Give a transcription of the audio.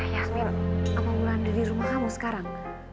yasmin apa wulan udah di rumah kamu sekarang